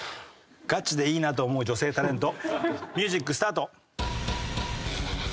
「ガチでいいなぁと思う女性タレント」ミュージックスタート。